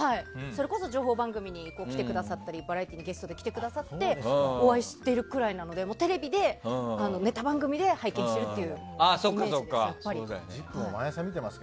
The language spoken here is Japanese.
それこそ情報番組に来てくださったりバラエティーにゲストで来てくださってお会いしているくらいなのでテレビでネタ番組で拝見しているというイメージです。